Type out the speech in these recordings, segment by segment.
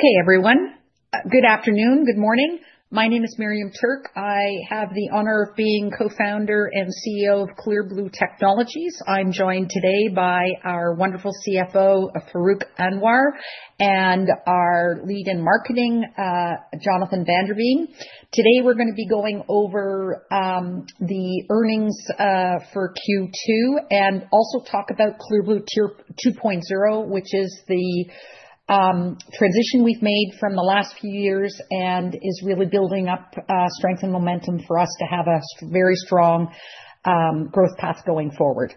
Okay, everyone. Good afternoon, good morning. My name is Miriam Tuerk. I have the honor of being Co-Founder and CEO of Clear Blue Technologies. I'm joined today by our wonderful CFO, Farrukh Anwar, and our Lead in Marketing, Jonathan van der Veen. Today, we're going to be going over the earnings for Q2 and also talk about Clear Blue 2.0, which is the transition we've made from the last few years and is really building up strength and momentum for us to have a very strong growth path going forward.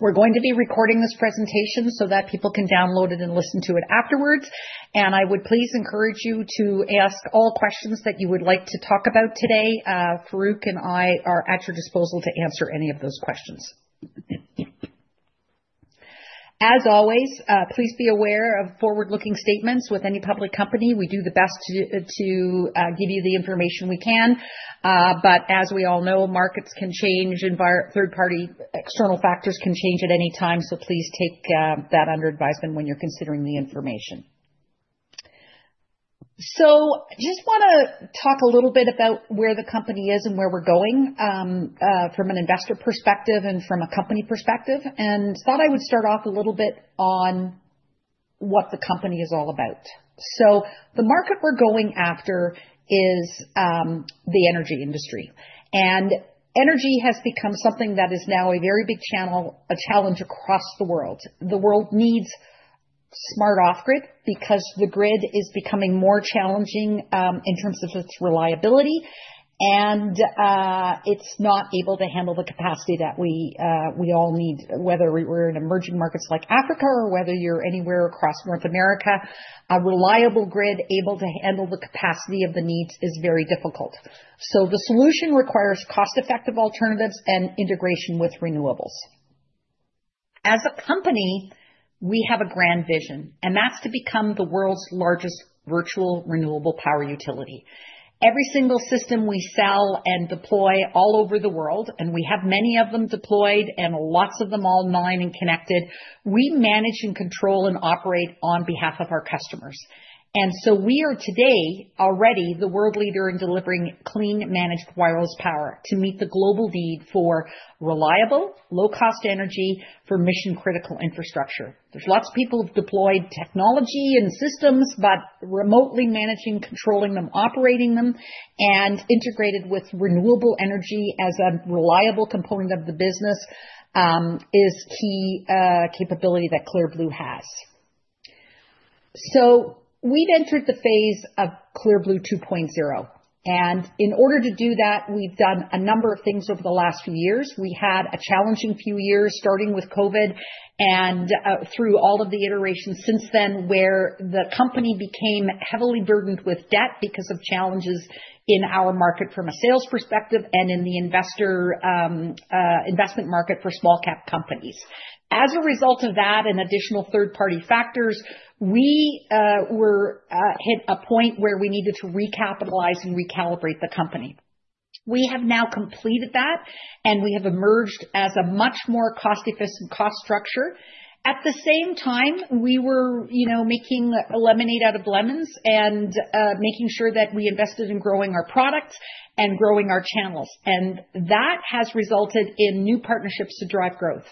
We're going to be recording this presentation so that people can download it and listen to it afterwards. I would please encourage you to ask all questions that you would like to talk about today. Farrukh and I are at your disposal to answer any of those questions. As always, please be aware of forward-looking statements. With any public company, we do the best to give you the information we can. As we all know, markets can change, third-party external factors can change at any time, so please take that under advisement when you're considering the information. I just want to talk a little bit about where the company is and where we're going, from an investor perspective and from a company perspective. I thought I would start off a little bit on what the company is all about. The market we're going after is the energy industry. Energy has become something that is now a very big challenge across the world. The world needs smart off-grid because the grid is becoming more challenging in terms of its reliability. It's not able to handle the capacity that we all need, whether we're in emerging markets like Africa or whether you're anywhere across North America. A reliable grid able to handle the capacity of the needs is very difficult. The solution requires cost-effective alternatives and integration with renewables. As a company, we have a grand vision, and that's to become the world's largest virtual renewable power utility. Every single system we sell and deploy all over the world, and we have many of them deployed and lots of them online and connected, we manage and control and operate on behalf of our customers. We are today already the world leader in delivering clean managed wireless power to meet the global need for reliable, low-cost energy for mission-critical infrastructure. There are lots of people who've deployed technology and systems, but remotely managing, controlling them, operating them, and integrating with renewable energy as a reliable component of the business is a key capability that Clear Blue has. We've entered the phase of Clear Blue 2.0. In order to do that, we've done a number of things over the last few years. We had a challenging few years, starting with COVID and through all of the iterations since then, where the company became heavily burdened with debt because of challenges in our market from a sales perspective and in the investment market for small-cap companies. As a result of that and additional third-party factors, we were at a point where we needed to recapitalize and recalibrate the company. We have now completed that, and we have emerged as a much more cost-efficient cost structure. At the same time, we were making lemonade out of lemons and making sure that we invested in growing our products and growing our channels. That has resulted in new partnerships to drive growth.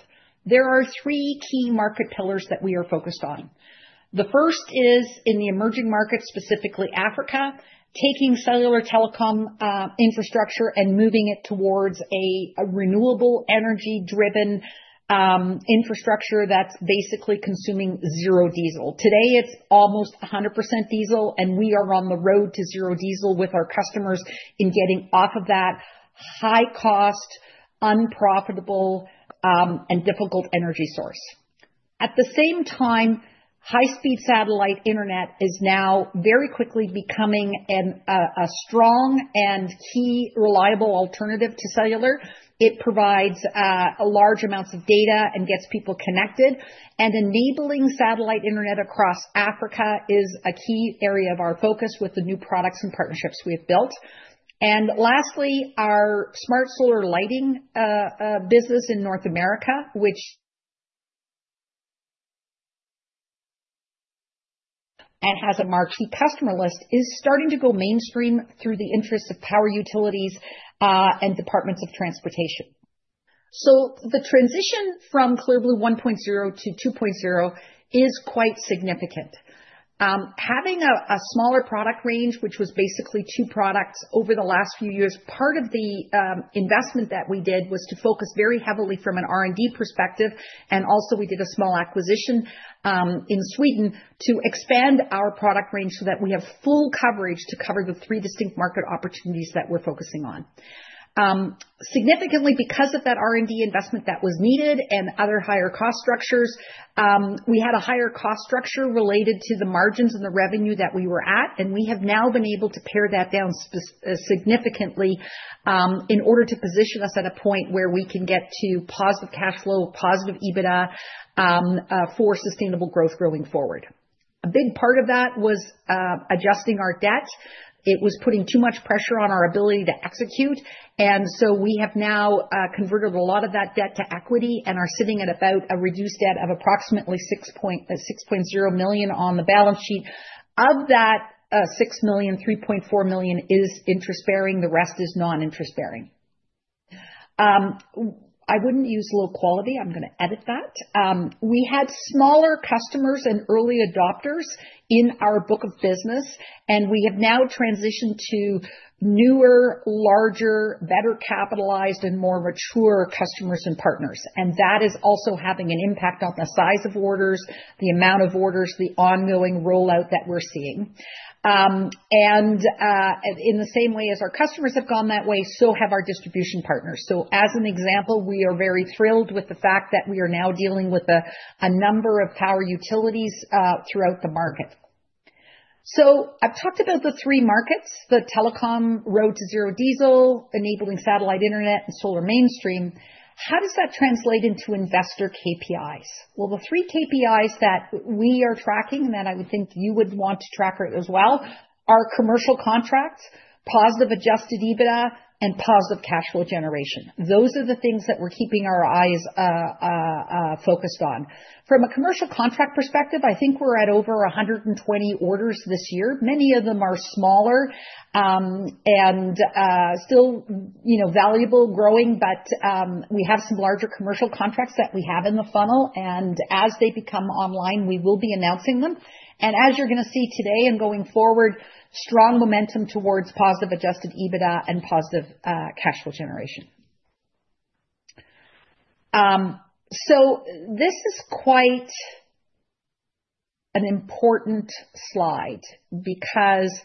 There are three key market pillars that we are focused on. The first is in the emerging markets, specifically Africa, taking cellular telecom infrastructure and moving it towards a renewable energy-driven infrastructure that's basically consuming zero diesel. Today, it's almost 100% diesel, and we are on the road to zero diesel with our customers in getting off of that high-cost, unprofitable, and difficult energy source. At the same time, high-speed satellite internet is now very quickly becoming a strong and key reliable alternative to cellular. It provides large amounts of data and gets people connected. Enabling satellite internet across Africa is a key area of our focus with the new products and partnerships we've built. Lastly, our smart solar lighting business in North America, which has a marquee customer list, is starting to go mainstream through the interests of power utilities and departments of transportation. The transition from Clear Blue 1.0-2.0 is quite significant. Having a smaller product range, which was basically two products over the last few years, part of the investment that we did was to focus very heavily from an R&D perspective. We also did a small acquisition in Sweden to expand our product range so that we have full coverage to cover the three distinct market opportunities that we're focusing on. Significantly, because of that R&D investment that was needed and other higher cost structures, we had a higher cost structure related to the margins and the revenue that we were at. We have now been able to pare that down significantly, in order to position us at a point where we can get to positive cash flow, positive EBITDA, for sustainable growth going forward. A big part of that was adjusting our debts. It was putting too much pressure on our ability to execute. We have now converted a lot of that debt to equity and are sitting at about a reduced debt of approximately $6.0 million on the balance sheet. Of that $6 million, $3.4 million is interest-bearing. The rest is non-interest-bearing. I wouldn't use low quality. I'm going to edit that. We had smaller customers and early adopters in our book of business, and we have now transitioned to newer, larger, better capitalized, and more mature customers and partners. That is also having an impact on the size of orders, the amount of orders, the ongoing rollout that we're seeing. In the same way as our customers have gone that way, so have our distribution partners. As an example, we are very thrilled with the fact that we are now dealing with a number of power utilities throughout the market. I've talked about the three markets: the Telecom, Road to Zero diesel, enabling satellite internet, and solar mainstream. How does that translate into investor KPIs? The three KPIs that we are tracking, that I would think you would want to track as well, are commercial contracts, positive adjusted EBITDA, and positive cash flow generation. Those are the things that we're keeping our eyes focused on. From a commercial contract perspective, I think we're at over 120 orders this year. Many of them are smaller and still, you know, valuable, growing, but we have some larger commercial contracts that we have in the funnel. As they become online, we will be announcing them. As you're going to see today and going forward, strong momentum towards positive adjusted EBITDA and positive cash flow generation. This is quite an important slide because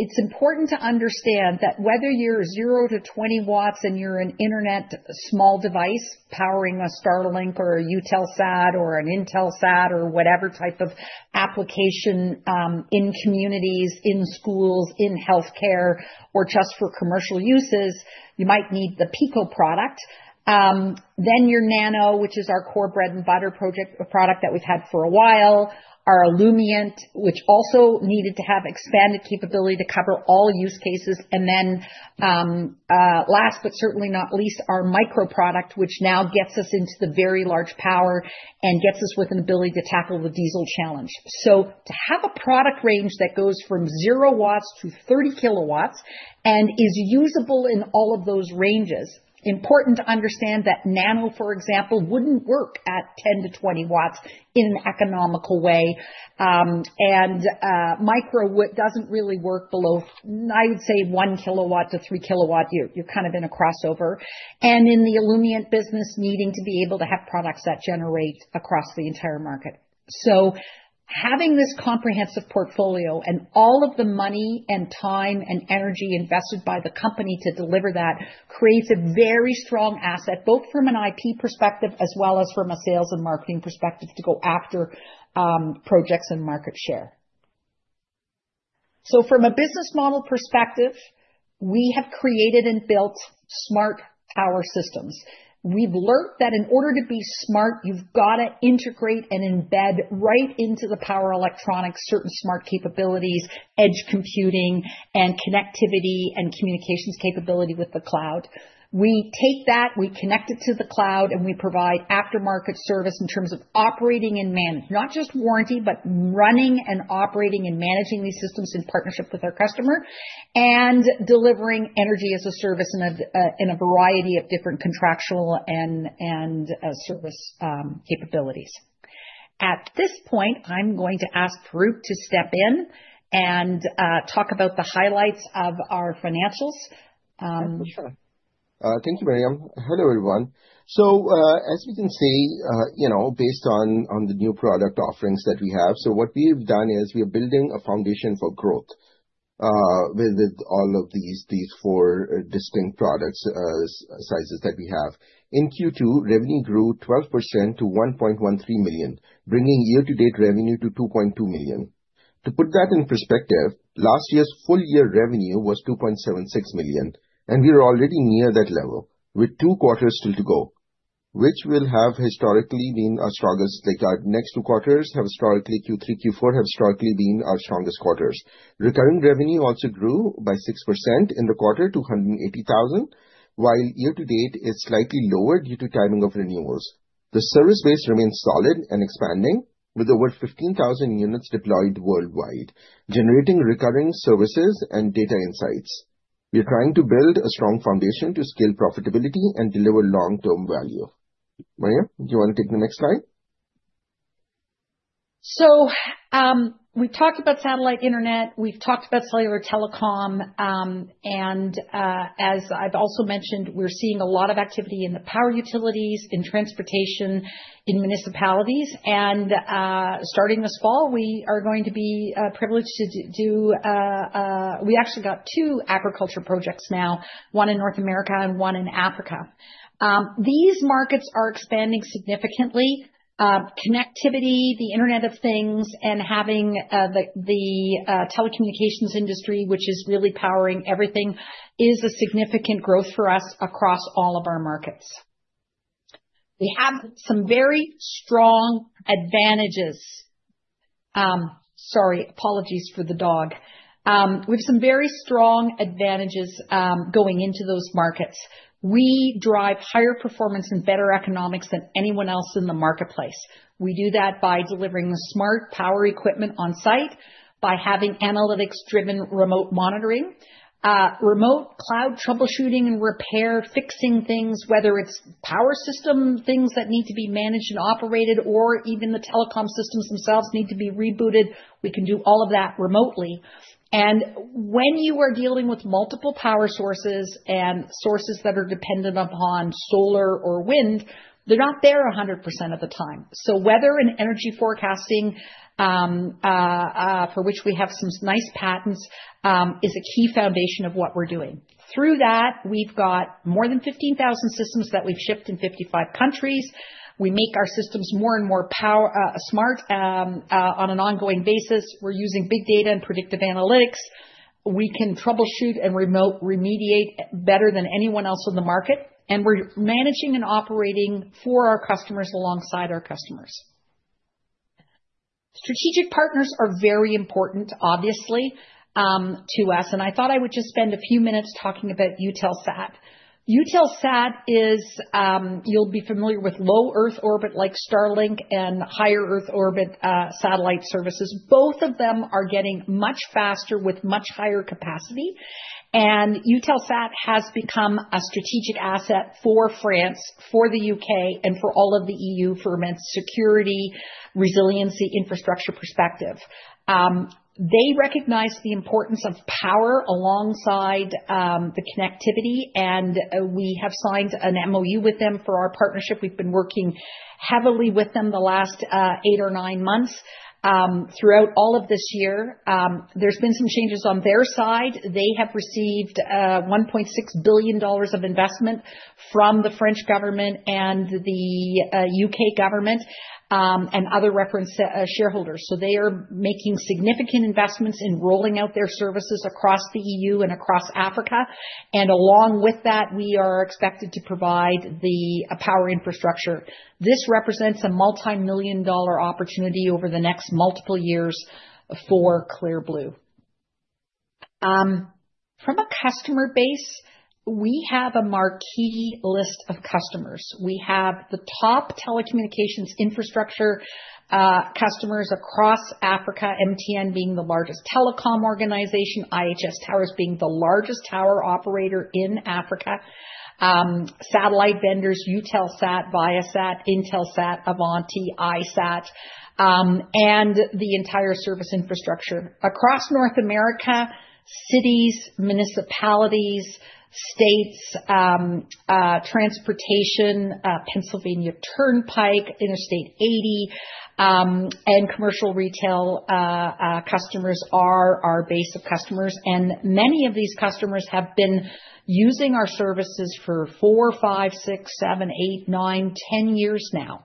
it's important to understand that whether you're 0 W-20 W and you're an internet small device powering a Starlink or a Eutelsat or an Intelsat or whatever type of application, in communities, in schools, in healthcare, or just for commercial uses, you might need the Pico product. Then your Nano, which is our core bread and butter product that we've had for a while, our Lumiant, which also needed to have expanded capability to cover all use cases. Last but certainly not least, our Micro product, which now gets us into the very large power and gets us with an ability to tackle the diesel challenge. To have a product range that goes from 0 W-30 kW and is usable in all of those ranges, it's important to understand that Nano, for example, wouldn't work at 10 W-20 W in an economical way. Micro doesn't really work below, I would say, 1 kW-3 kW. You're kind of in a crossover. In the Lumiant business, needing to be able to have products that generate across the entire market. Having this comprehensive portfolio and all of the money and time and energy invested by the company to deliver that creates a very strong asset, both from an IP perspective as well as from a sales and marketing perspective to go after projects and market share. From a business model perspective, we have created and built smart power systems. We've learned that in order to be smart, you've got to integrate and embed right into the power electronics certain smart capabilities, edge computing, and connectivity and communications capability with the cloud. We take that, we connect it to the cloud, and we provide aftermarket service in terms of operating and managing, not just warranty, but running and operating and managing these systems in partnership with our customer and delivering energy-as-a-service in a variety of different contractual and service capabilities. At this point, I'm going to ask Farrukh to step in and talk about the highlights of our financials. Thank you, Miriam. Hello, everyone. As you can see, based on the new product offerings that we have, what we've done is we are building a foundation for growth with all of these four distinct product sizes that we have. In Q2, revenue grew 12% to $1.13 million, bringing year-to-date revenue to $2.2 million. To put that in perspective, last year's full-year revenue was $2.76 million, and we are already near that level with two quarters still to go, which have historically been our strongest. Our next two quarters, Q3 and Q4, have historically been our strongest quarters. Recurring revenue also grew by 6% in the quarter to $180,000, while year-to-date is slightly lower due to timing of renewals. The service base remains solid and expanding with over 15,000 units deployed worldwide, generating recurring services and data insights. We are trying to build a strong foundation to scale profitability and deliver long-term value. Miriam, do you want to take the next slide? We've talked about satellite internet. We've talked about tellular telecom, and, as I've also mentioned, we're seeing a lot of activity in the power utilities, in transportation, in municipalities. Starting this fall, we are going to be privileged to do, we actually got two agriculture projects now, one in North America and one in Africa. These markets are expanding significantly. Connectivity, the Internet of Things, and having the telecommunications industry, which is really powering everything, is a significant growth for us across all of our markets. We have some very strong advantages. Sorry, apologies for the dog. We have some very strong advantages going into those markets. We drive higher performance and better economics than anyone else in the marketplace. We do that by delivering the smart power equipment on-site, by having analytics-driven remote monitoring, remote cloud troubleshooting and repair, fixing things, whether it's power system things that need to be managed and operated, or even the telecom systems themselves need to be rebooted. We can do all of that remotely. When you are dealing with multiple power sources and sources that are dependent upon solar or wind, they're not there 100% of the time. Weather and energy forecasting, for which we have some nice patents, is a key foundation of what we're doing. Through that, we've got more than 15,000 systems that we've shipped in 55 countries. We make our systems more and more power smart on an ongoing basis. We're using big data and predictive analytics. We can troubleshoot and remote remediate better than anyone else in the market. We're managing and operating for our customers alongside our customers. Strategic partners are very important, obviously, to us. I thought I would just spend a few minutes talking about Eutelsat. Eutelsat is, you'll be familiar with Low Earth Orbit like Starlink and higher Earth orbit, satellite services. Both of them are getting much faster with much higher capacity. Eutelsat up has become a strategic asset for France, for the U.K., and for all of the E.U. for its security, resiliency, infrastructure perspective. They recognize the importance of power alongside the connectivity. We have signed an MOU with them for our partnership. We've been working heavily with them the last eight or nine months. Throughout all of this year, there's been some changes on their side. They have received $1.6 billion of investment from the French government, the U.K. government, and other reference shareholders. They are making significant investments in rolling out their services across the E.U. and across Africa. Along with that, we are expected to provide the power infrastructure. This represents a multimillion-dollar opportunity over the next multiple years for Clear Blue. From a customer base, we have a marquee list of customers. We have the top telecommunications infrastructure customers across Africa, MTN being the largest telecom organization, IHS Towers being the largest tower operator in Africa, satellite vendors, Eutelsat, Viasat, Intelsat, Avanti, iSAT and the entire service infrastructure across North America. Cities, municipalities, states, transportation, Pennsylvania Turnpike, Interstate 80, and commercial retail customers are our base of customers. Many of these customers have been using our services for four, five, six, seven, eight, nine, 10 years now.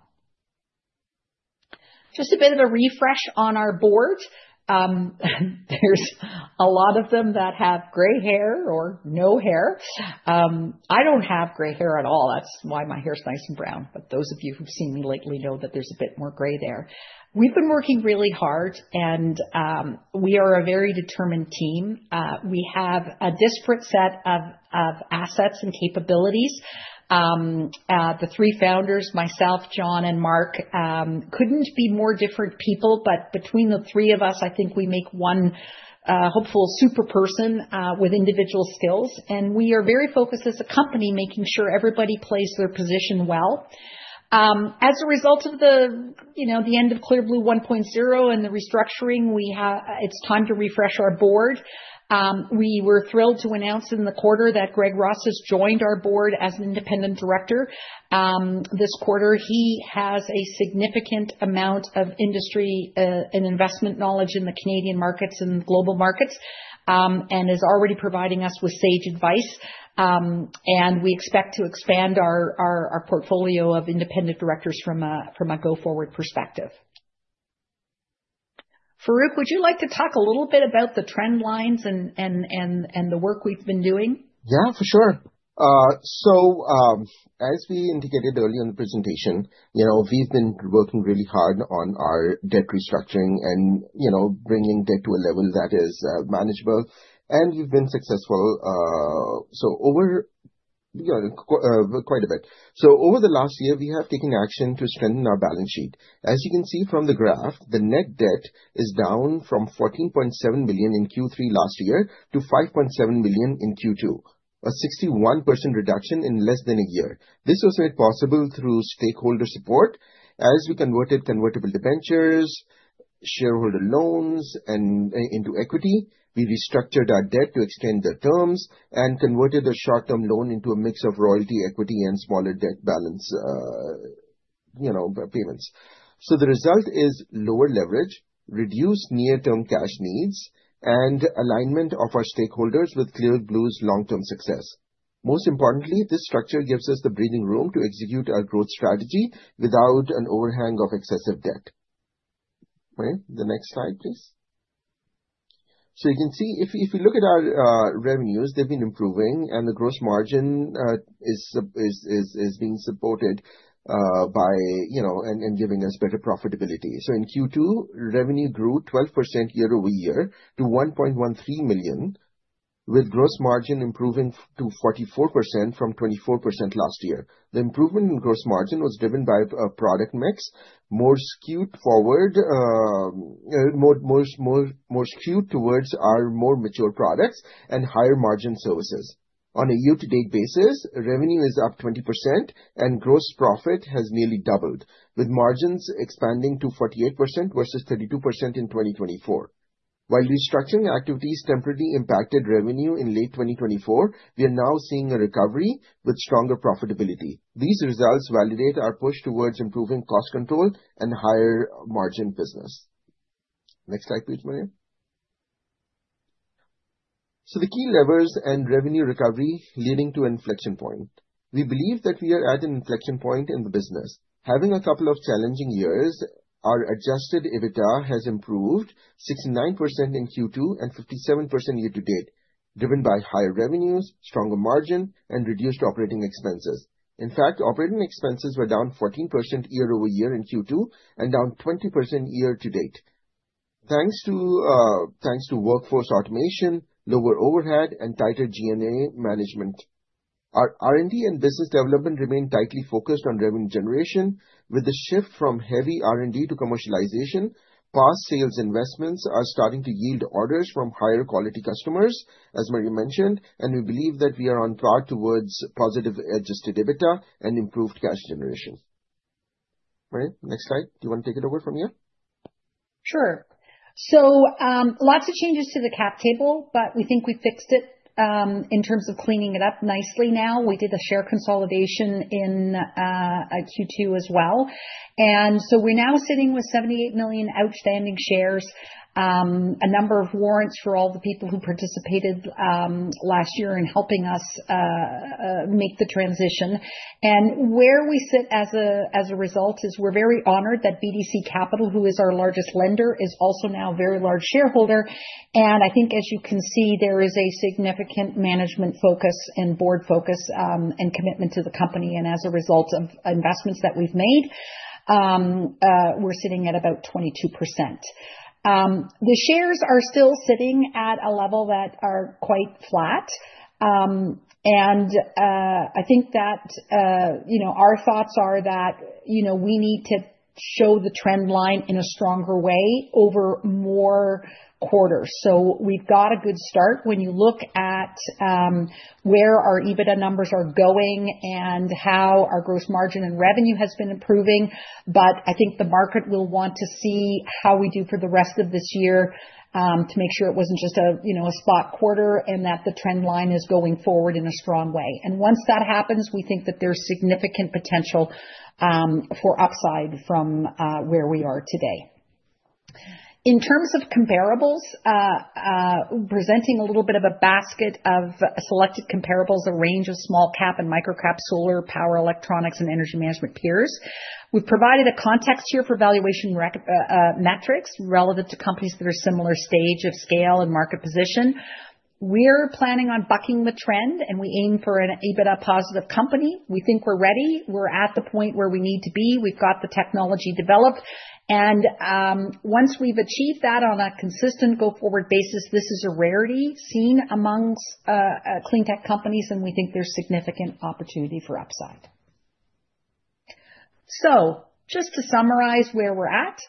Just a bit of a refresh on our board. There's a lot of them that have gray hair or no hair. I don't have gray hair at all. That's why my hair is nice and brown. Those of you who've seen lately know that there's a bit more gray there. We've been working really hard, and we are a very determined team. We have a disparate set of assets and capabilities. The three founders, myself, John, and Mark, couldn't be more different people. Between the three of us, I think we make one hopeful super person with individual skills. We are very focused as a company, making sure everybody plays their position well. As a result of the end of Clear Blue 1.0 and the restructuring, it's time to refresh our board. We were thrilled to announce in the quarter that Greg Ross has joined our board as an Independent Director. This quarter, he has a significant amount of industry and investment knowledge in the Canadian markets and the global markets and is already providing us with sage advice. We expect to expand our portfolio of independent directors from a go-forward perspective. Farrukh, would you like to talk a little bit about the trend lines and the work we've been doing? Yeah, for sure. As we indicated earlier in the presentation, we've been working really hard on our debt restructuring and bringing debt to a level that is manageable. We've been successful over quite a bit. Over the last year, we have taken action to strengthen our balance sheet. As you can see from the graph, the net debt is down from $14.7 million in Q3 last year to $5.7 million in Q2, a 61% reduction in less than a year. This was made possible through stakeholder support. As we converted convertible debentures and shareholder loans into equity, we restructured our debt to expand the terms and converted the short-term loan into a mix of royalty equity and smaller debt balance payments. The result is lower leverage, reduced near-term cash needs, and alignment of our stakeholders with Clear Blue's long-term success. Most importantly, this structure gives us the breathing room to execute our growth strategy without an overhang of excessive debt. Okay, the next slide, please. You can see if you look at our revenues, they've been improving, and the gross margin is being supported and giving us better profitability. In Q2, revenue grew 12% year-over-year to $1.13 million, with gross margin improving to 44% from 24% last year. The improvement in gross margin was driven by a product mix more skewed towards our more mature products and higher margin services. On a year-to-date basis, revenue is up 20%, and gross profit has nearly doubled, with margins expanding to 48% versus 32% in 2024. While restructuring activities temporarily impacted revenue in late 2024, we are now seeing a recovery with stronger profitability. These results validate our push towards improving cost control and higher margin business. Next slide, please, Miriam. The key levers and revenue recovery leading to an inflection point. We believe that we are at an inflection point in the business. Having a couple of challenging years, our adjusted EBITDA has improved 69% in Q2 and 57% year-to-date, driven by higher revenues, stronger margin, and reduced operating expenses. In fact, operating expenses were down 14% year-over-year in Q2 and down 20% year-to-date, thanks to workforce automation, lower overhead, and tighter G&A management. Our R&D and business development remain tightly focused on revenue generation. With the shift from heavy R&D to commercialization, past sales investments are starting to yield orders from higher quality customers, as Miriam mentioned, and we believe that we are on track towards positive adjusted EBITDA and improved cash generation. Next slide. Do you want to take it over from here? Sure. Lots of changes to the cap table, but we think we fixed it, in terms of cleaning it up nicely now. We did the share consolidation in Q2 as well. We're now sitting with 78 million outstanding shares, a number of warrants for all the people who participated last year in helping us make the transition. Where we sit as a result is we're very honored that BDC Capital, who is our largest lender, is also now a very large shareholder. I think, as you can see, there is a significant management focus and board focus, and commitment to the company. As a result of investments that we've made, we're sitting at about 22%. The shares are still sitting at a level that are quite flat. I think that, you know, our thoughts are that, you know, we need to show the trend line in a stronger way over more quarters. We've got a good start when you look at where our EBITDA numbers are going and how our gross margin and revenue has been improving. I think the market will want to see how we do for the rest of this year, to make sure it wasn't just a, you know, a slot quarter and that the trend line is going forward in a strong way. Once that happens, we think that there's significant potential for upside from where we are today. In terms of comparables, presenting a little bit of a basket of selected comparables, a range of small cap and micro cap solar power electronics and energy management peers. We provided a context here for valuation metrics relevant to companies that are a similar stage of scale and market position. We're planning on bucking the trend, and we aim for an EBITDA positive company. We think we're ready. We're at the point where we need to be. We've got the technology developed. Once we've achieved that on a consistent go-forward basis, this is a rarity seen amongst clean tech companies, and we think there's significant opportunity for upside. Just to summarize where we're at,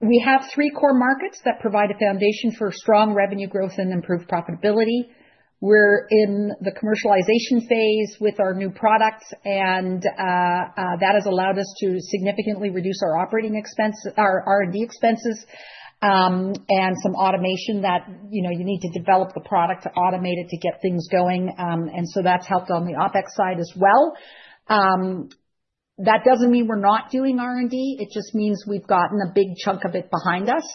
we have three core markets that provide a foundation for strong revenue growth and improved profitability. We're in the commercialization phase with our new products, and that has allowed us to significantly reduce our operating expense, our R&D expenses, and some automation that, you know, you need to develop the product to automate it to get things going. That's helped on the OpEx side as well. That doesn't mean we're not doing R&D. It just means we've gotten a big chunk of it behind us.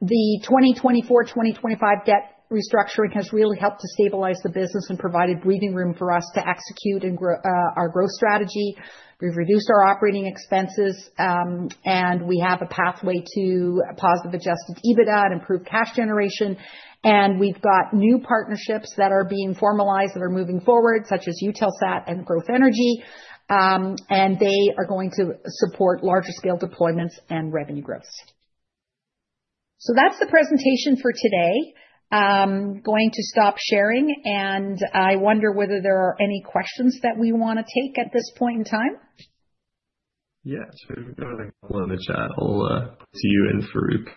The 2024-2025 debt restructuring has really helped to stabilize the business and provided breathing room for us to execute our growth strategy. We've reduced our operating expenses, and we have a pathway to positive adjusted EBITDA and improved cash generation. We've got new partnerships that are being formalized that are moving forward, such as Eutelsat and Growth Energy, and they are going to support larger scale deployments and revenue growth. That's the presentation for today. I'm going to stop sharing, and I wonder whether there are any questions that we want to take at this point in time. Yeah, so I'm going to put one in the chat. I'll see you and Farrukh.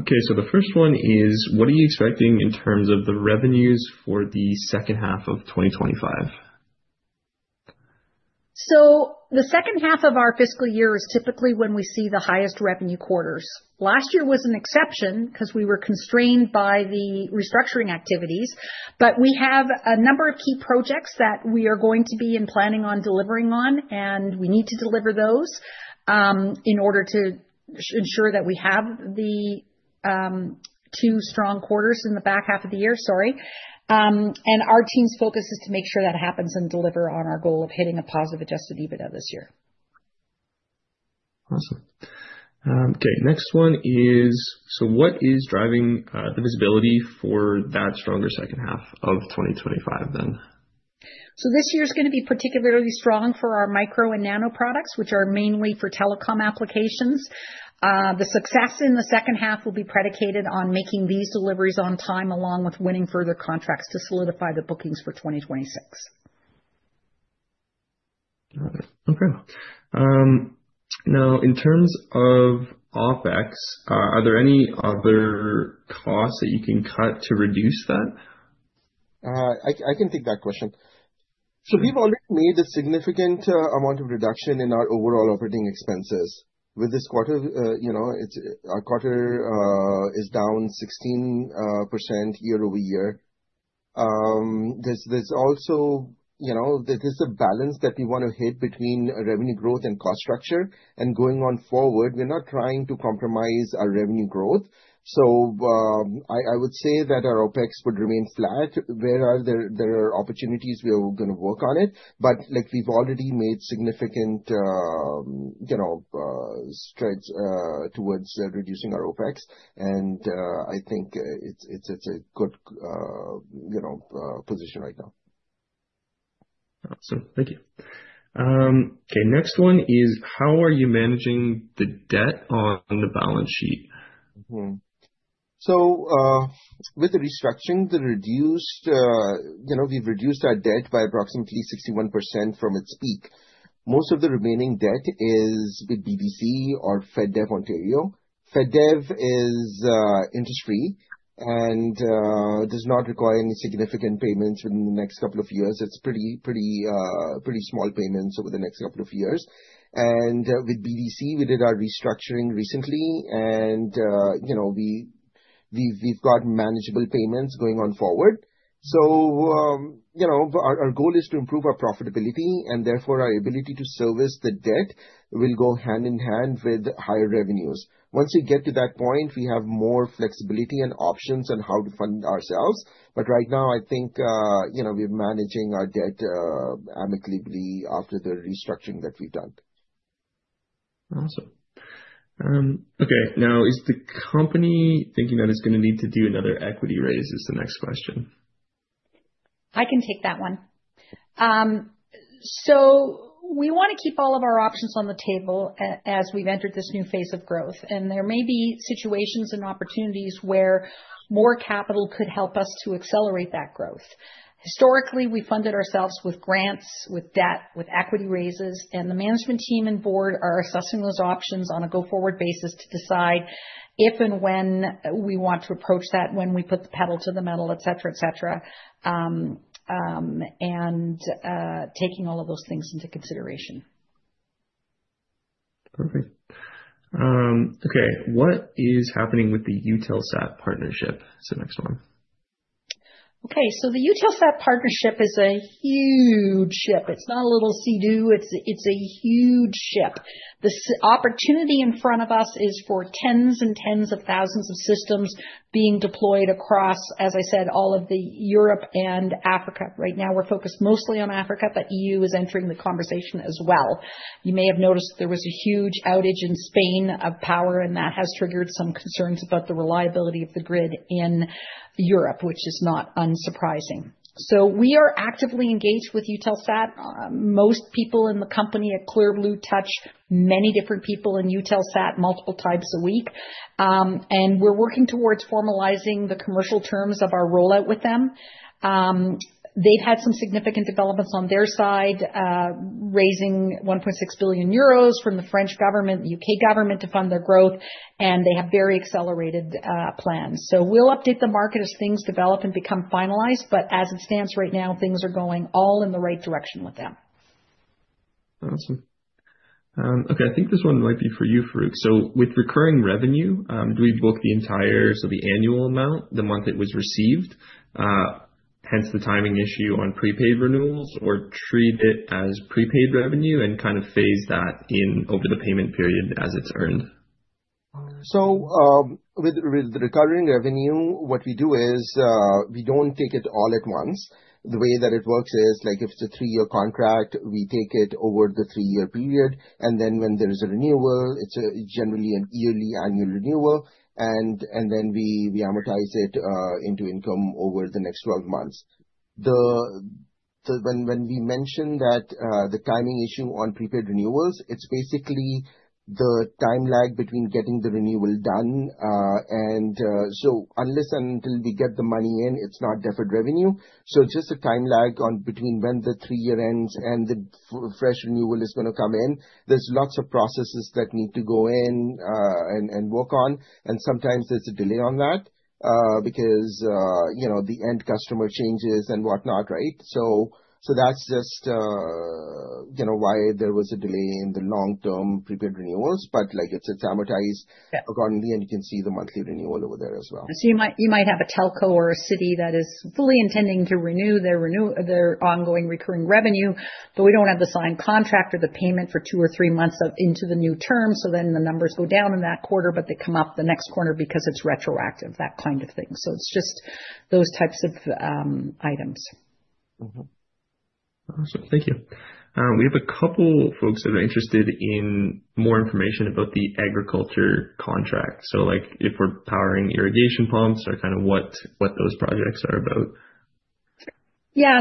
Okay, so the first one is, what are you expecting in terms of the revenues for the second half of 2025? The second half of our fiscal year is typically when we see the highest revenue quarters. Last year was an exception because we were constrained by the restructuring activities. We have a number of key projects that we are going to be planning on delivering on, and we need to deliver those in order to ensure that we have two strong quarters in the back half of the year. Our team's focus is to make sure that happens and deliver on our goal of hitting a positive adjusted EBITDA this year. What is driving the visibility for that stronger second half of 2025 then? This year is going to be particularly strong for our Micro and Nano-Grid products, which are mainly for telecom applications. The success in the second half will be predicated on making these deliveries on time, along with winning further contracts to solidify the bookings for 2026. Okay. Now, in terms of OpEx, are there any other costs that you can cut to reduce that? I can take that question. We've already made a significant amount of reduction in our overall operating expenses. With this quarter, our quarter is down 16% year-over-year. There's also a balance that we want to hit between revenue growth and cost structure. Going forward, we're not trying to compromise our revenue growth. I would say that our OpEx would remain flat. Where there are opportunities, we are going to work on it. We've already made significant strides towards reducing our OpEx, and I think it's a good position right now. Excellent. Thank you. Okay, next one is, how are you managing the debt on the balance sheet? With the restructuring, we've reduced our debt by approximately 61% from its peak. Most of the remaining debt is with BDC or FedDev Ontario. FedDev is interest-free and does not require any significant payments in the next couple of years. It's pretty small payments over the next couple of years. With BDC, we did our restructuring recently, and we've got manageable payments going on forward. Our goal is to improve our profitability, and therefore, our ability to service the debt will go hand in hand with higher revenues. Once we get to that point, we have more flexibility and options on how to fund ourselves. Right now, I think we're managing our debt amicably after the restructuring that we've done. Awesome. Okay. Now, is the company thinking that it's going to need to do another equity raise, is the next question? I can take that one. We want to keep all of our options on the table as we've entered this new phase of growth. There may be situations and opportunities where more capital could help us to accelerate that growth. Historically, we funded ourselves with grants, with debt, with equity raises, and the management team and board are assessing those options on a go-forward basis to decide if and when we want to approach that, when we put the pedal to the metal, etc., etc., and taking all of those things into consideration. Perfect. Okay. What is happening with the Eutelsat partnership? Next one. Okay. So the Eutelsat partnership is a huge ship. It's not a little sea-doo. It's a huge ship. The opportunity in front of us is for tens and tens of thousands of systems being deployed across, as I said, all of Europe and Africa. Right now, we're focused mostly on Africa, but the E.U. is entering the conversation as well. You may have noticed there was a huge outage in Spain of power, and that has triggered some concerns about the reliability of the grid in Europe, which is not unsurprising. We are actively engaged with Eutelsat. Most people in the company at Clear Blue touch many different people in Eutelsat multiple times a week, and we're working towards formalizing the commercial terms of our rollout with them. They've had some significant developments on their side, raising 1.6 billion euros from the French government and the U.K. government to fund their growth, and they have very accelerated plans. We will update the market as things develop and become finalized. As it stands right now, things are going all in the right direction with them. Awesome. Okay. I think this one might be for you, Farrukh. With recurring revenue, do we book the entire, so the annual amount, the month it was received, hence the timing issue on prepaid renewals, or treat it as prepaid revenue and kind of phase that in over the payment period as it's earned? With recurring revenue, what we do is, we don't take it all at once. The way that it works is, like if it's a three-year contract, we take it over the three-year period. When there's a renewal, it's generally a yearly annual renewal. We amortize it into income over the next 12 months. When we mention that the timing issue on prepaid renewals, it's basically the time lag between getting the renewal done. Unless and until we get the money in, it's not deferred revenue. It's just a time lag between when the three-year ends and the fresh renewal is going to come in. There are lots of processes that need to go in and work on. Sometimes there's a delay on that because, you know, the end customer changes and whatnot, right? That's just why there was a delay in the long-term prepaid renewals. It's amortized accordingly, and you can see the monthly renewal over there as well. You might have a telco or a city that is fully intending to renew their ongoing recurring revenue, but we don't have the signed contract or the payment for two or three months into the new term. The numbers go down in that quarter, but they come up the next quarter because it's retroactive, that kind of thing. It's just those types of items. Awesome. Thank you. We have a couple of folks that are interested in more information about the agriculture contracts, like if we're powering irrigation pumps or what those projects are about? Yeah.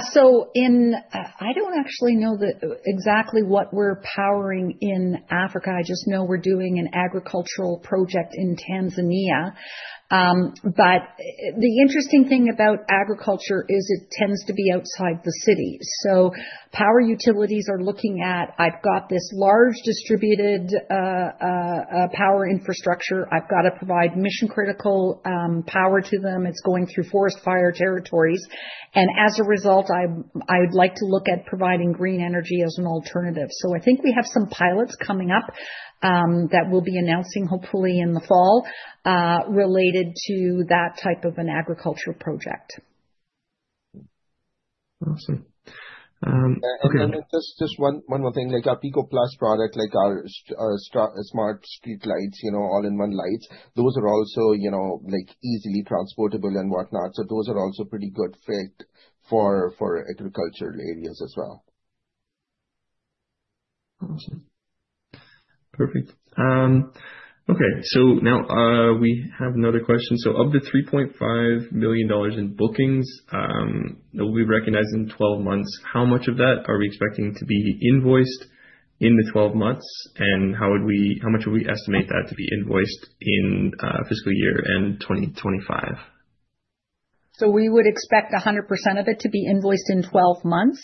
In I don't actually know exactly what we're powering in Africa. I just know we're doing an agricultural project in Tanzania. The interesting thing about agriculture is it tends to be outside the city. Power utilities are looking at, "I've got this large distributed power infrastructure. I've got to provide mission-critical power to them. It's going through forest fire territories. As a result, I'd like to look at providing green energy as an alternative." I think we have some pilots coming up that we'll be announcing, hopefully, in the fall, related to that type of an agricultural project. Awesome. Okay. Just one more thing. Like our Pico product, like our smart street lights, you know, all-in-one lights, those are also, you know, easily transportable and whatnot. Those are also pretty good fit for agricultural areas as well. Awesome. Perfect. Okay. Now we have another question. Of the $3.5 million in bookings that we'll be recognizing in 12 months, how much of that are we expecting to be invoiced in the 12 months, and how much would we estimate that to be invoiced in fiscal year 2025? We would expect 100% of it to be invoiced in 12 months.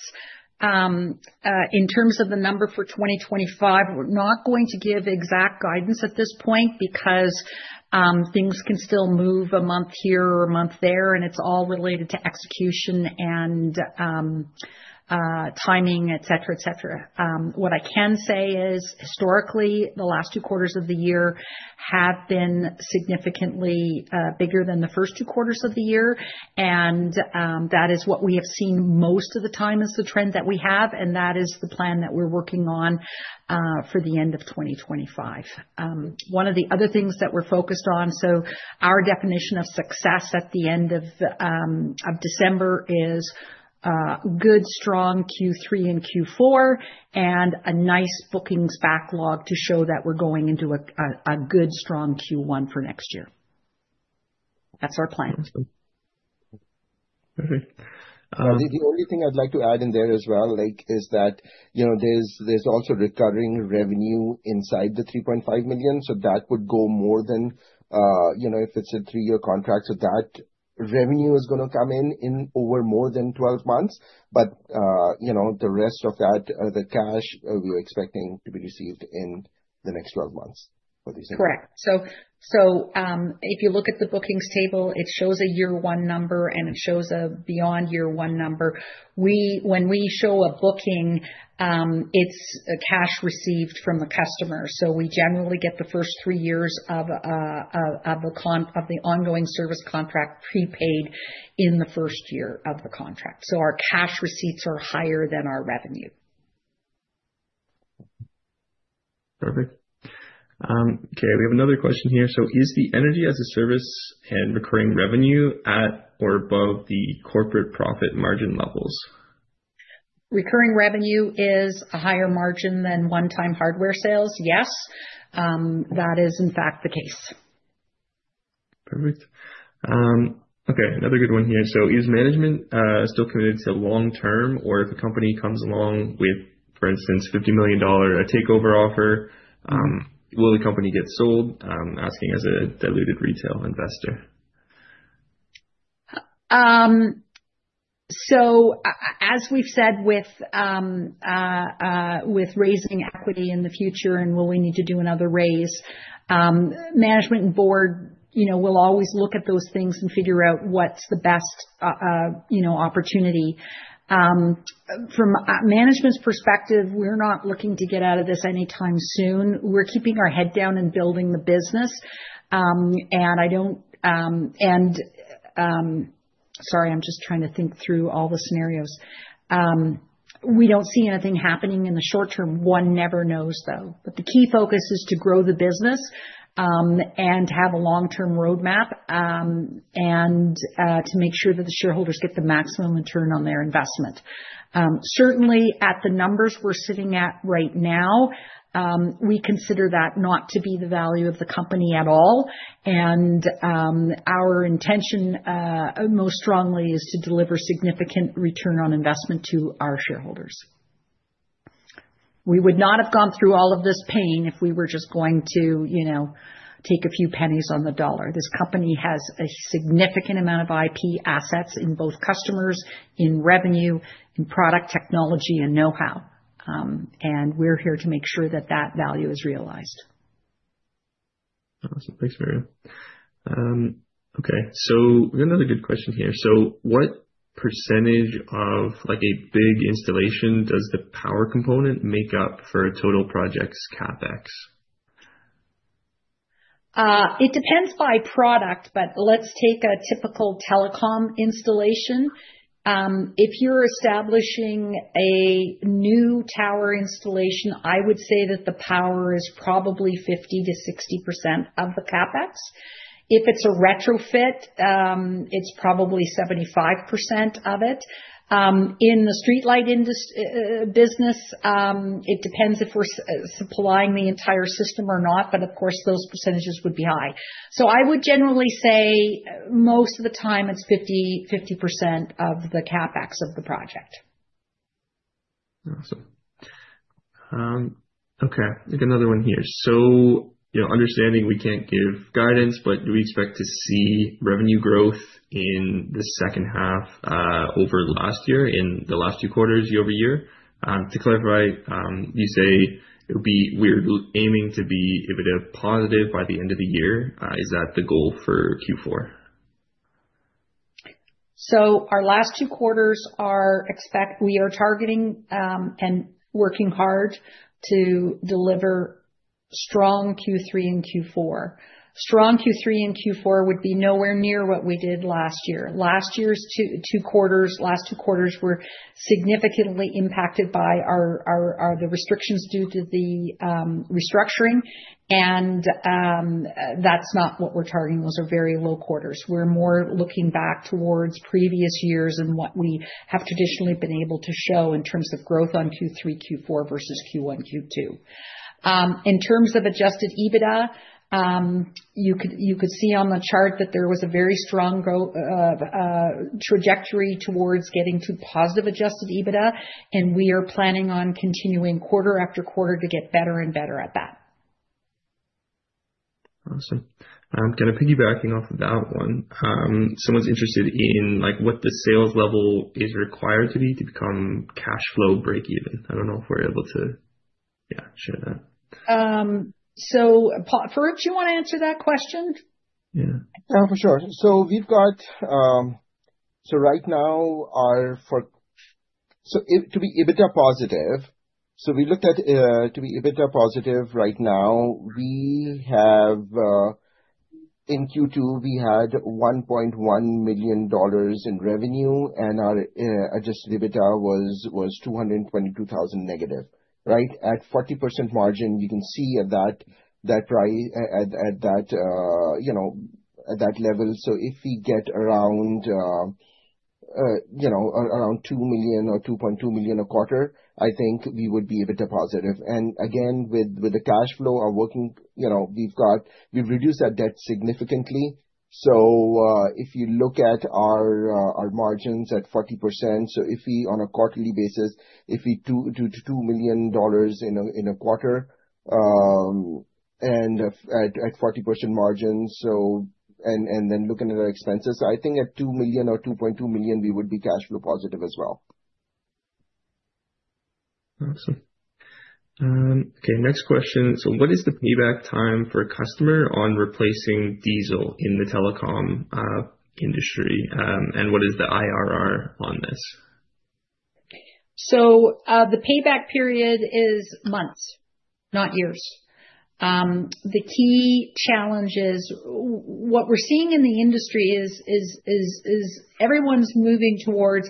In terms of the number for 2025, we're not going to give exact guidance at this point because things can still move a month here or a month there, and it's all related to execution and timing, etc. What I can say is, historically, the last two quarters of the year have been significantly bigger than the first two quarters of the year. That is what we have seen most of the time as the trend that we have, and that is the plan that we're working on for the end of 2025. One of the other things that we're focused on, our definition of success at the end of December is a good, strong Q3 and Q4 and a nice bookings backlog to show that we're going into a good, strong Q1 for next year. That's our plan. Perfect. The only thing I'd like to add in there as well is that, you know, there's also recurring revenue inside the $3.5 million. That would go more than, you know, if it's a three-year contract. That revenue is going to come in over more than 12 months. The rest of that, the cash, we're expecting to be received in the next 12 months for these. Correct. If you look at the bookings table, it shows a year one number, and it shows a beyond year one number. When we show a booking, it's a cash received from a customer. We generally get the first three years of the ongoing service contract prepaid in the first year of the contract. Our cash receipts are higher than our revenue. Perfect. Okay. We have another question here. Is the energy-as-a-service and recurring revenue at or above the corporate profit margin levels? Recurring revenue is a higher margin than one-time hardware sales, yes. That is, in fact, the case. Perfect. Okay. Another good one here. Is management still committed to long-term, or if a company comes along with, for instance, a $50 million takeover offer, will the company get sold? I'm asking as a diluted retail investor. As we've said with raising equity in the future and will we need to do another raise, management and board will always look at those things and figure out what's the best opportunity. From management's perspective, we're not looking to get out of this anytime soon. We're keeping our head down and building the business. I don't, sorry, I'm just trying to think through all the scenarios. We don't see anything happening in the short term. One never knows, though. The key focus is to grow the business and have a long-term roadmap, to make sure that the shareholders get the maximum return on their investment. Certainly, at the numbers we're sitting at right now, we consider that not to be the value of the company at all. Our intention, most strongly, is to deliver significant return on investment to our shareholders. We would not have gone through all of this pain if we were just going to take a few pennies on the dollar. This company has a significant amount of IP assets in both customers, in revenue, in product technology, and know-how. We're here to make sure that that value is realized. Awesome. Thanks, Miriam. Okay, we got another good question here. What percentage of like a big installation does the power component make up for a total project's CapEx? It depends by product, but let's take a typical telecom installation. If you're establishing a new tower installation, I would say that the power is probably 50%-60% of the CapEx. If it's a retrofit, it's probably 75% of it. In the streetlight industry business, it depends if we're supplying the entire system or not, but of course, those percentages would be high. I would generally say, most of the time, it's 50% of the CapEx of the project. Awesome. Okay. I think another one here. Understanding we can't give guidance, but do we expect to see revenue growth in the second half, over the last year, in the last two quarters, year-over-year? To clarify, you say it would be we're aiming to be a bit of a positive by the end of the year. Is that the goal for Q4? Our last two quarters are expect we are targeting, and working hard to deliver strong Q3 and Q4. Strong Q3 and Q4 would be nowhere near what we did last year. Last year's two quarters, last two quarters were significantly impacted by the restrictions due to the restructuring. That's not what we're targeting. Those are very low quarters. We're more looking back towards previous years and what we have traditionally been able to show in terms of growth on Q3, Q4 versus Q1, Q2. In terms of adjusted EBITDA, you could see on the chart that there was a very strong trajectory towards getting to positive adjusted EBITDA. We are planning on continuing quarter after quarter to get better and better at that. Awesome. I'm going to piggyback off of that one. Someone's interested in what the sales level is required to be to become cash flow break-even. I don't know if we're able to, yeah, share that. Farrukh, do you want to answer that question? Yeah. No, for sure. Right now, for us to be EBITDA positive, we looked at, to be EBITDA positive right now, we have, in Q2, we had $1.1 million in revenue, and our adjusted EBITDA was $222,000 negative, right? At 40% margin, you can see at that price, at that level. If we get around, you know, around $2 million or $2.2 million a quarter, I think we would be EBITDA positive. Again, with the cash flow, our working, you know, we've reduced that debt significantly. If you look at our margins at 40%, on a quarterly basis, if we do $2 million in a quarter at 40% margins, and then looking at our expenses, I think at $2 million or $2.2 million, we would be cash flow positive as well. Awesome. Okay. Next question. What is the payback time for a customer on replacing diesel in the telecom industry? What is the IRR on this? The payback period is months, not years. The key challenge is what we're seeing in the industry is everyone's moving towards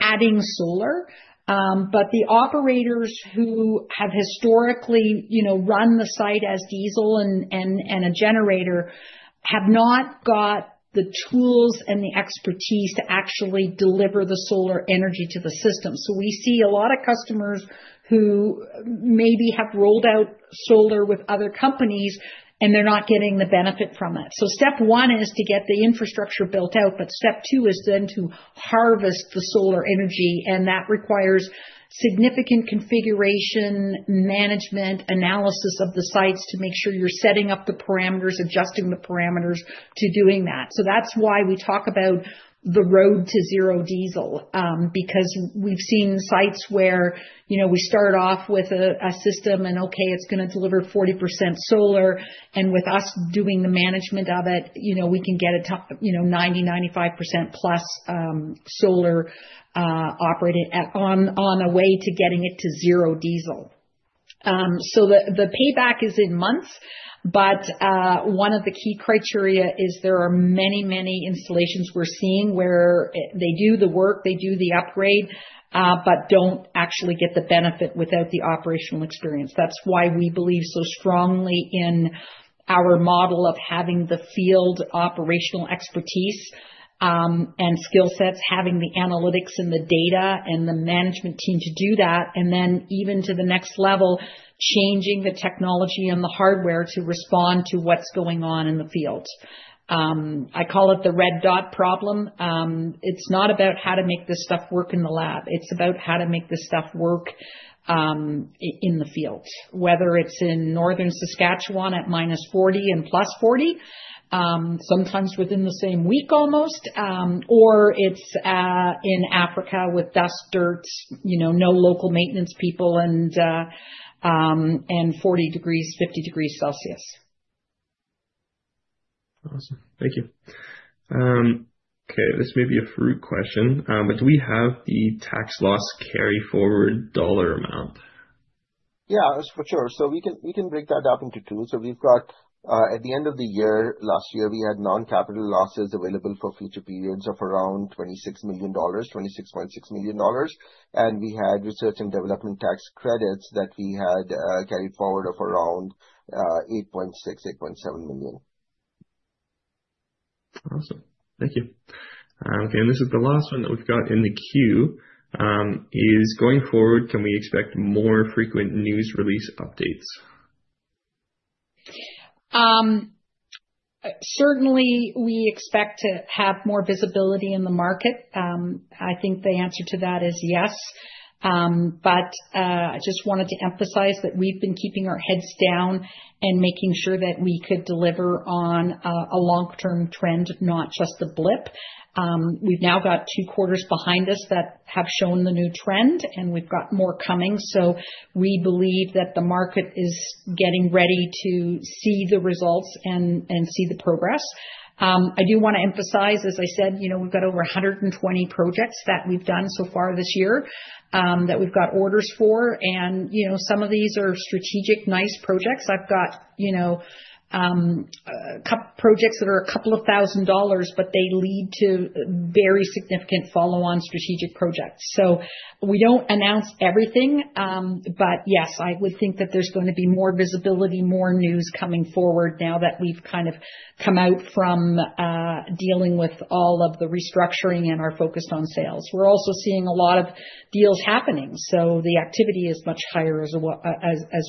adding solar, but the operators who have historically run the site as diesel and a generator have not got the tools and the expertise to actually deliver the solar energy to the system. We see a lot of customers who maybe have rolled out solar with other companies, and they're not getting the benefit from it. Step one is to get the infrastructure built out, but step two is then to harvest the solar energy. That requires significant configuration, management, analysis of the sites to make sure you're setting up the parameters, adjusting the parameters to doing that. That's why we talk about the Road to Zero diesel, because we've seen sites where we start off with a system and, okay, it's going to deliver 40% solar. With us doing the management of it, we can get a 90%, 95% plus solar operated on a way to getting it to zero diesel. The payback is in months, but one of the key criteria is there are many, many installations we're seeing where they do the work, they do the upgrade, but don't actually get the benefit without the operational experience. That's why we believe so strongly in our model of having the field operational expertise and skill sets, having the analytics and the data and the management team to do that, and then even to the next level, changing the technology and the hardware to respond to what's going on in the field. I call it the red dot problem. It's not about how to make this stuff work in the lab. It's about how to make this stuff work in the fields, whether it's in northern Saskatchewan at -40 and +40, sometimes within the same week almost, or it's in Africa with dust, dirt, no local maintenance people, and 40°, 50° Celcius. Awesome. Thank you. Okay. This may be a fruit question, but do we have the tax loss carry-forward dollar amount? Yeah, that's for sure. We can break that up into two. At the end of the year, last year, we had non-capital losses available for future periods of around $26 million, $26.6 million. We had research and development tax credits that we had carried forward of around $8.6 million, $8.7 million. Awesome. Thank you. Okay. This is the last one that we've got in the queue. Going forward, can we expect more frequent news release updates? Certainly, we expect to have more visibility in the market. I think the answer to that is yes. I just wanted to emphasize that we've been keeping our heads down and making sure that we could deliver on a long-term trend, not just the blip. We've now got two quarters behind us that have shown the new trend, and we've got more coming. We believe that the market is getting ready to see the results and see the progress. I do want to emphasize, as I said, we've got over 120 projects that we've done so far this year, that we've got orders for. Some of these are strategic, nice projects. I've got a couple of projects that are a couple of thousand dollars, but they lead to very significant follow-on strategic projects. We don't announce everything, but yes, I would think that there's going to be more visibility, more news coming forward now that we've kind of come out from dealing with all of the restructuring and our focus on sales. We're also seeing a lot of deals happening. The activity is much higher as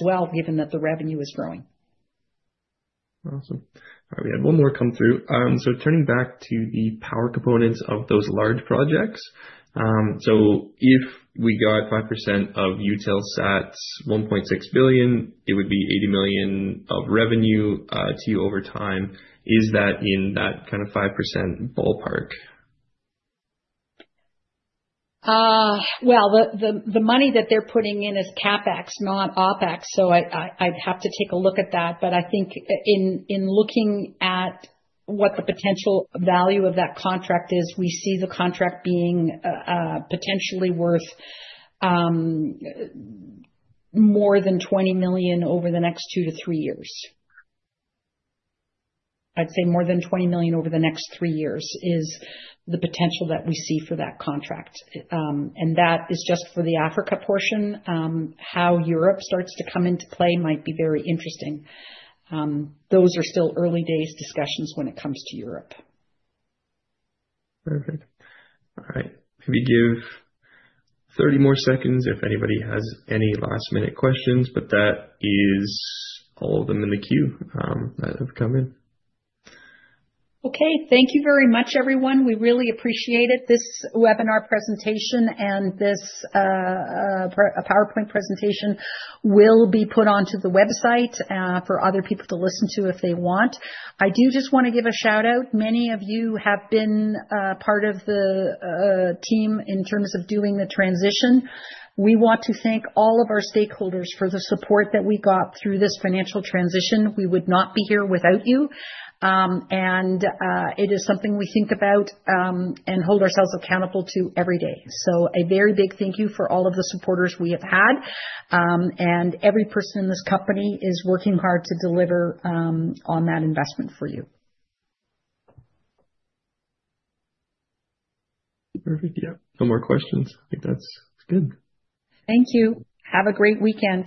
well, given that the revenue is growing. Awesome. All right. We have one more come through. Turning back to the power components of those large projects, if we got 5% of Eutelsat $1.6 billion, it would be $80 million of revenue to you over time. Is that in that kind of 5% ballpark? The money that they're putting in is CapEx, not OpEx. I'd have to take a look at that. I think in looking at what the potential value of that contract is, we see the contract being potentially worth more than $20 million over the next two to three years. I'd say more than $20 million over the next three years is the potential that we see for that contract. That is just for the Africa portion. How Europe starts to come into play might be very interesting. Those are still early days discussions when it comes to Europe. Perfect. All right. Can we give 30 more seconds if anybody has any last-minute questions? That is all of them in the queue that have come in. Okay. Thank you very much, everyone. We really appreciate it. This webinar presentation and this PowerPoint presentation will be put onto the website for other people to listen to if they want. I do just want to give a shout-out. Many of you have been part of the team in terms of doing the transition. We want to thank all of our stakeholders for the support that we got through this financial transition. We would not be here without you. It is something we think about and hold ourselves accountable to every day. A very big thank you for all of the supporters we have had, and every person in this company is working hard to deliver on that investment for you. Perfect. Yeah, no more questions. I think that's good. Thank you. Have a great weekend.